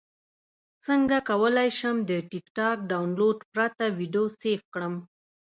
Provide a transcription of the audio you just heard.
څنګه کولی شم د ټکټاک ډاونلوډ پرته ویډیو سیف کړم